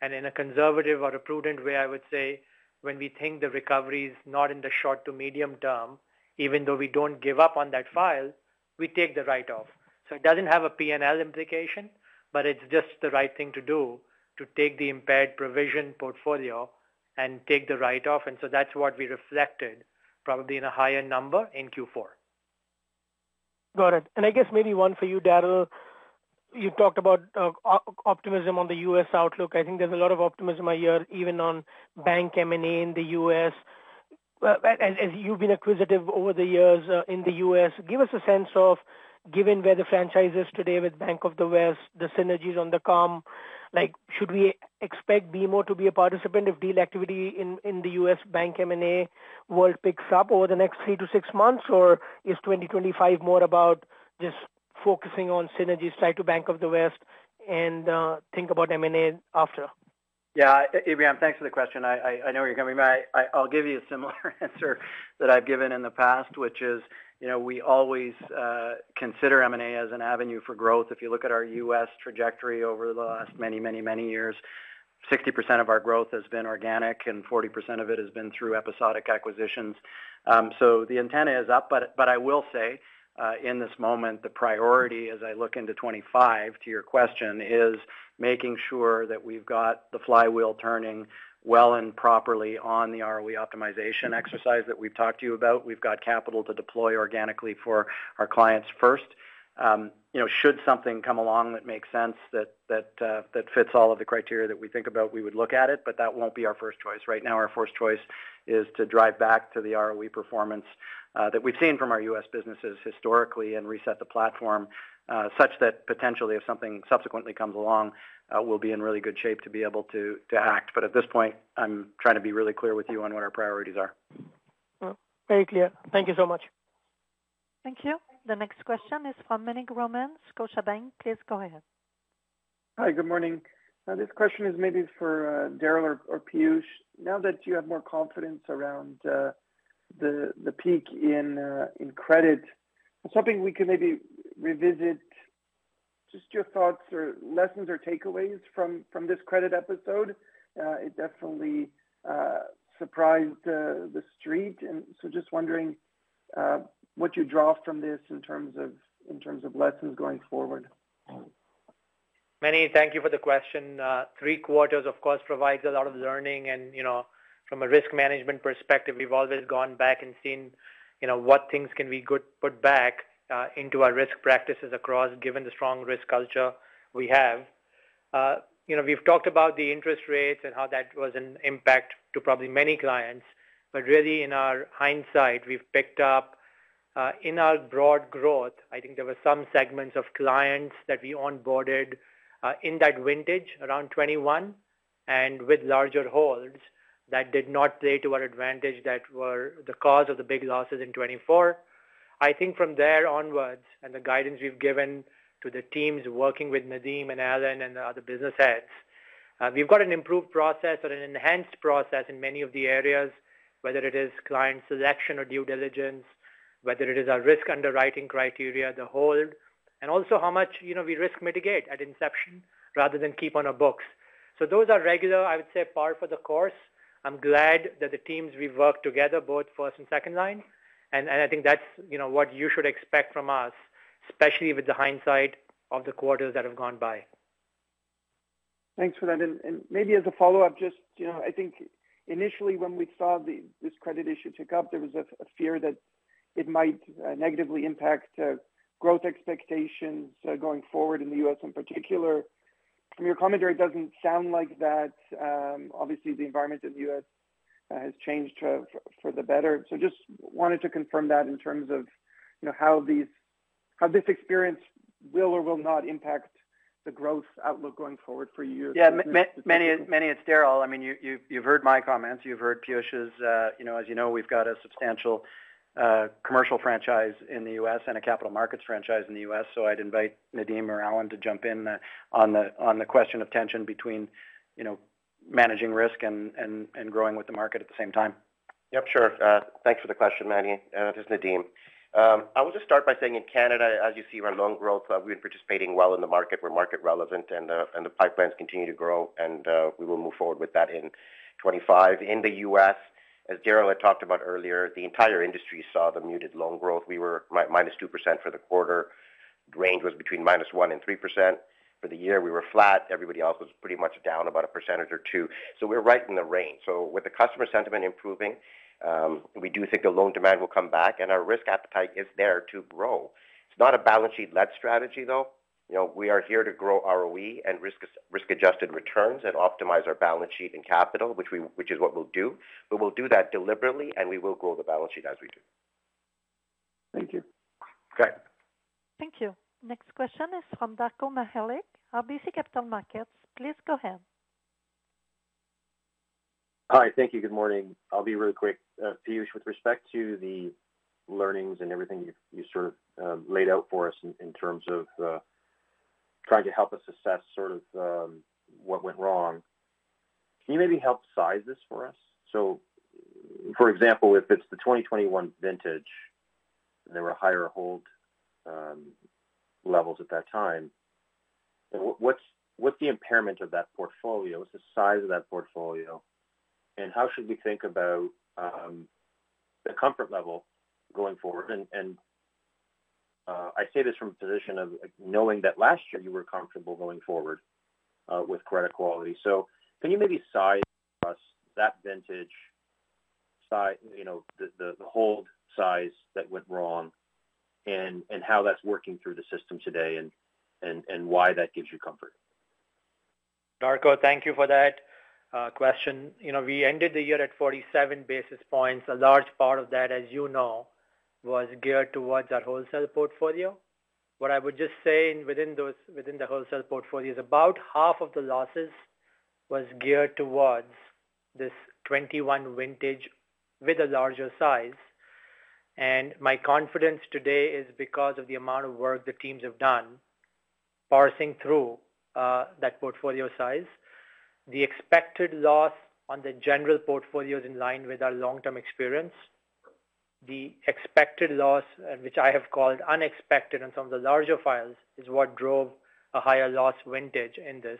and in a conservative or a prudent way, I would say, when we think the recovery is not in the short to medium term, even though we don't give up on that file, we take the write-off. So it doesn't have a P&L implication, but it's just the right thing to do to take the impaired provision portfolio and take the write-off. And so that's what we reflected probably in a higher number in Q4. Got it. And I guess maybe one for you, Darryl. You talked about optimism on the U.S. outlook. I think there's a lot of optimism here, even on bank M&A in the U.S. As you've been acquisitive over the years in the U.S., give us a sense of, given where the franchise is today with Bank of the West, the synergies from the combo, should we expect BMO to be a participant if deal activity in the U.S. bank M&A world picks up over the next three to six months, or is 2025 more about just focusing on synergies from the Bank of the West, and think about M&A after? Yeah, Ibrahim, thanks for the question. I know you're coming back. I'll give you a similar answer that I've given in the past, which is we always consider M&A as an avenue for growth. If you look at our U.S. trajectory over the last many, many, many years, 60% of our growth has been organic, and 40% of it has been through episodic acquisitions. The antenna is up, but I will say in this moment, the priority, as I look into 2025, to your question, is making sure that we've got the flywheel turning well and properly on the ROE optimization exercise that we've talked to you about. We've got capital to deploy organically for our clients first. Should something come along that makes sense that fits all of the criteria that we think about, we would look at it, but that won't be our first choice. Right now, our first choice is to drive back to the ROE performance that we've seen from our U.S. businesses historically and reset the platform such that potentially, if something subsequently comes along, we'll be in really good shape to be able to act. But at this point, I'm trying to be really clear with you on what our priorities are. Very clear. Thank you so much. Thank you. The next question is from Meny Grauman, Scotiabank. Please go ahead. Hi, good morning. This question is maybe for Darryl or Piyush. Now that you have more confidence around the peak in credit, I was hoping we could maybe revisit just your thoughts or lessons or takeaways from this credit episode. It definitely surprised the street, and so just wondering what you draw from this in terms of lessons going forward. Meny, thank you for the question. Three quarters, of course, provides a lot of learning. And from a risk management perspective, we've always gone back and seen what things can be put back into our risk practices across, given the strong risk culture we have. We've talked about the interest rates and how that was an impact to probably many clients. But really, in our hindsight, we've picked up in our broad growth. I think there were some segments of clients that we onboarded in that vintage around 2021 and with larger holds that did not play to our advantage that were the cause of the big losses in 2024. I think from there onwards and the guidance we've given to the teams working with Nadim and Alan and the other business heads, we've got an improved process or an enhanced process in many of the areas, whether it is client selection or due diligence, whether it is our risk underwriting criteria, the hold, and also how much we risk mitigate at inception rather than keep on our books. So those are regular. I would say, par for the course. I'm glad that the teams we've worked together, both first and second line, and I think that's what you should expect from us, especially with the hindsight of the quarters that have gone by. Thanks for that. And maybe as a follow-up, just I think initially when we saw this credit issue tick up, there was a fear that it might negatively impact growth expectations going forward in the U.S. in particular. From your commentary, it doesn't sound like that. Obviously, the environment in the U.S. has changed for the better. So just wanted to confirm that in terms of how this experience will or will not impact the growth outlook going forward for you. Yeah, many as Darryl. I mean, you've heard my comments. You've heard Piyush's. As you know, we've got a substantial commercial franchise in the U.S. and a capital markets franchise in the U.S. So I'd invite Nadim or Alan to jump in on the question of tension between managing risk and growing with the market at the same time. Yep, sure. Thanks for the question, Meny. This is Nadim. I will just start by saying in Canada, as you see our loan growth, we've been participating well in the market. We're market relevant, and the pipelines continue to grow, and we will move forward with that in 2025. In the U.S., as Darryl had talked about earlier, the entire industry saw the muted loan growth. We were minus 2% for the quarter. Range was between minus 1% and 3%. For the year, we were flat. Everybody else was pretty much down about 1% or 2%. So we're right in the range. With the customer sentiment improving, we do think the loan demand will come back, and our risk appetite is there to grow. It's not a balance sheet-led strategy, though. We are here to grow ROE and risk-adjusted returns and optimize our balance sheet and capital, which is what we'll do. But we'll do that deliberately, and we will grow the balance sheet as we do. Thank you. Okay. Thank you. Next question is from Darko Mihelic. How do you see capital markets? Please go ahead. Hi, thank you. Good morning. I'll be really quick. Piyush, with respect to the learnings and everything you sort of laid out for us in terms of trying to help us assess sort of what went wrong, can you maybe help size this for us? So for example, if it's the 2021 vintage and there were higher hold levels at that time, what's the impairment of that portfolio? What's the size of that portfolio? And how should we think about the comfort level going forward? And I say this from a position of knowing that last year you were comfortable going forward with credit quality. So can you maybe size for us that vintage, the hold size that went wrong, and how that's working through the system today, and why that gives you comfort? Darko, thank you for that question. We ended the year at 47 basis points. A large part of that, as you know, was geared towards our wholesale portfolio. What I would just say within the wholesale portfolio is about half of the losses was geared towards this 2021 vintage with a larger size. And my confidence today is because of the amount of work the teams have done parsing through that portfolio size. The expected loss on the general portfolio is in line with our long-term experience. The expected loss, which I have called unexpected on some of the larger files, is what drove a higher loss vintage in this.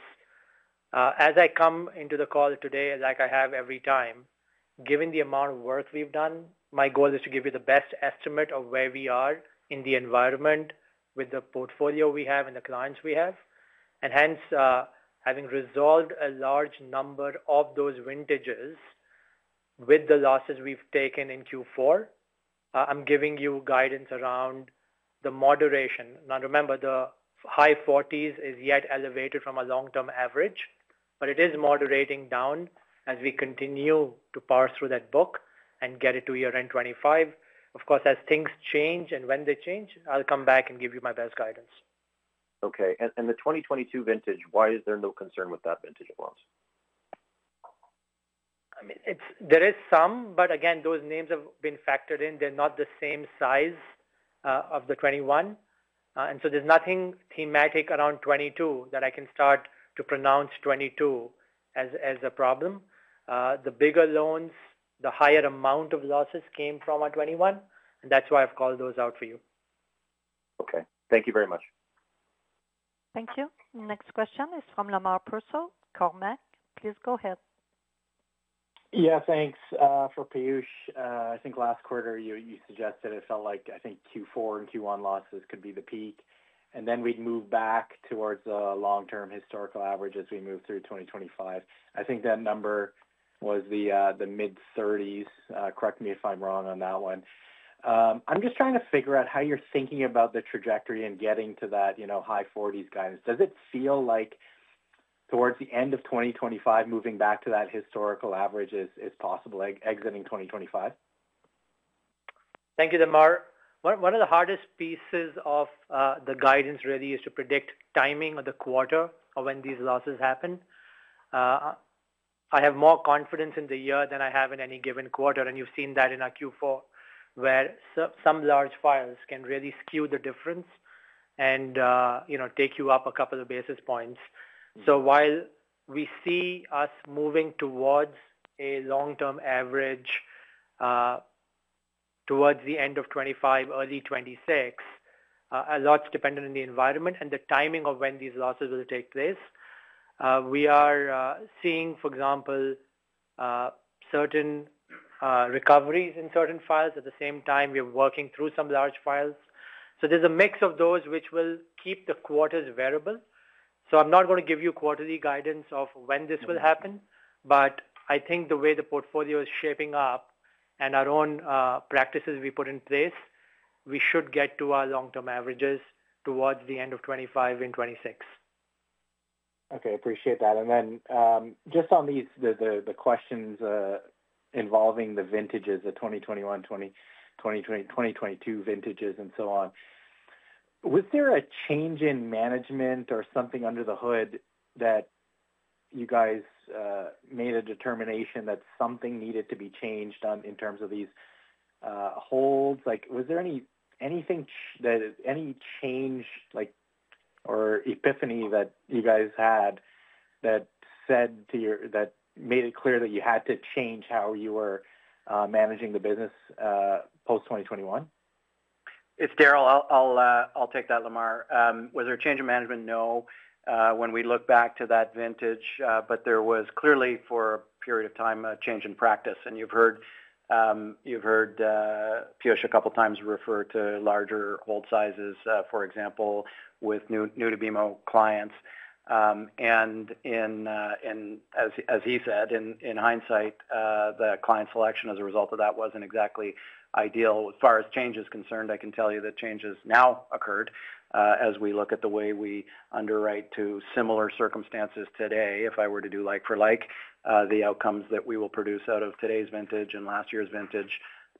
As I come into the call today, like I have every time, given the amount of work we've done, my goal is to give you the best estimate of where we are in the environment with the portfolio we have and the clients we have. And hence, having resolved a large number of those vintages with the losses we've taken in Q4, I'm giving you guidance around the moderation. Now, remember, the high 40s is yet elevated from a long-term average, but it is moderating down as we continue to parse through that book and get it to year-end 2025. Of course, as things change and when they change, I'll come back and give you my best guidance. Okay. And the 2022 vintage, why is there no concern with that vintage of loans? There is some, but again, those names have been factored in. They're not the same size of the 2021. And so there's nothing thematic around 2022 that I can start to pronounce 2022 as a problem. The bigger loans, the higher amount of losses came from our 2021, and that's why I've called those out for you. Okay. Thank you very much. Thank you. Next question is from Lemar Persaud, Cormark. Please go ahead. Yeah, thanks. For Piyush, I think last quarter, you suggested it felt like, I think, Q4 and Q1 losses could be the peak, and then we'd move back towards the long-term historical average as we move through 2025. I think that number was the mid-30s. Correct me if I'm wrong on that one. I'm just trying to figure out how you're thinking about the trajectory and getting to that high 40s guidance. Does it feel like towards the end of 2025, moving back to that historical average is possible, exiting 2025? Thank you, Lemar. One of the hardest pieces of the guidance really is to predict timing of the quarter of when these losses happen. I have more confidence in the year than I have in any given quarter. And you've seen that in our Q4, where some large files can really skew the difference and take you up a couple of basis points. So while we see us moving towards a long-term average towards the end of 2025, early 2026, a lot's dependent on the environment and the timing of when these losses will take place. We are seeing, for example, certain recoveries in certain files. At the same time, we are working through some large files. So there's a mix of those which will keep the quarters variable. So I'm not going to give you quarterly guidance of when this will happen, but I think the way the portfolio is shaping up and our own practices we put in place, we should get to our long-term averages towards the end of 2025 and 2026. Okay. Appreciate that. And then just on the questions involving the vintages, the 2021, 2022 vintages, and so on, was there a change in management or something under the hood that you guys made a determination that something needed to be changed in terms of these holds? Was there anything, any change or epiphany that you guys had that said to you that made it clear that you had to change how you were managing the business post-2021? It's Darryl. I'll take that, Lemar. Was there a change in management? No. When we look back to that vintage, but there was clearly, for a period of time, a change in practice. And you've heard Piyush a couple of times refer to larger hold sizes, for example, with new-to-BMO clients. And as he said, in hindsight, the client selection as a result of that wasn't exactly ideal. As far as change is concerned, I can tell you that changes now occurred as we look at the way we underwrite to similar circumstances today. If I were to do like-for-like, the outcomes that we will produce out of today's vintage and last year's vintage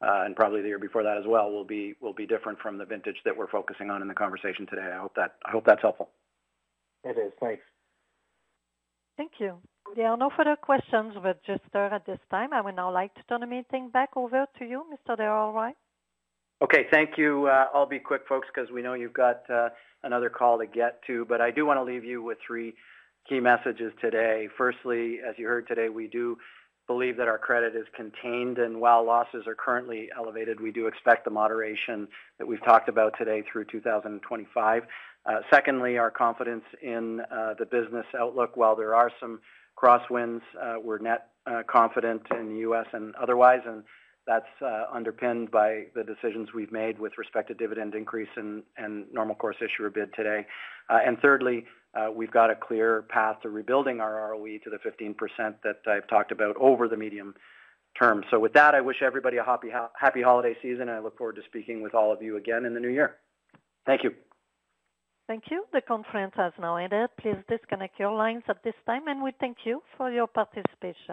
and probably the year before that as well will be different from the vintage that we're focusing on in the conversation today. I hope that's helpful. It is. Thanks. Thank you. There are no further questions with just Darryl at this time. I would now like to turn the meeting back over to you, Mr. Darryl White. Okay. Thank you. I'll be quick, folks, because we know you've got another call to get to. But I do want to leave you with three key messages today. Firstly, as you heard today, we do believe that our credit is contained. And while losses are currently elevated, we do expect the moderation that we've talked about today through 2025. Secondly, our confidence in the business outlook. While there are some crosswinds, we're net confident in the U.S. and otherwise. And that's underpinned by the decisions we've made with respect to dividend increase and normal course issuer bid today. And thirdly, we've got a clear path to rebuilding our ROE to the 15% that I've talked about over the medium term. So with that, I wish everybody a happy holiday season, and I look forward to speaking with all of you again in the new year. Thank you. Thank you. The conference has now ended. Please disconnect your lines at this time, and we thank you for your participation.